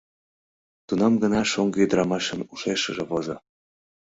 Тунам гына шоҥго ӱдырамашын ушешыже возо: